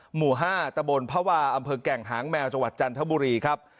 หมู่๕ตะบนพระวาอำเภอแก่งหางแมวจังหวัดจันทบุรีครับ